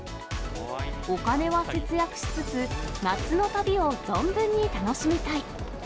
お金は節約しつつ、夏の旅を存分に楽しみたい。